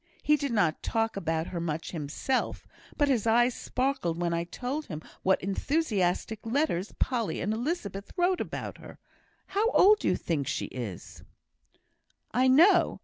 He did not talk about her much himself, but his eyes sparkled when I told him what enthusiastic letters Polly and Elizabeth wrote about her. How old d'ye think she is?" "I know!"